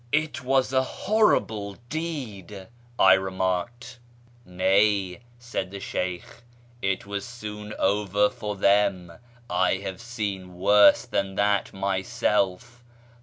" It was a horrible deed," I remarked. " Nay," said the Sheykh, " it was soon over for them ; I have seen worse than that myself.